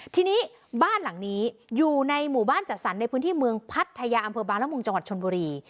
ทีนี้บ้านหลังนี้อยู่ในหมู่บ้านจัดสรรในพื้นที่เมืองพัทยาอำเภอบางละมุงจังหวัดชนบุรี